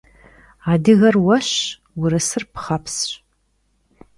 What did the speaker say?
Adıger vueşş, vurısır pxhepsş.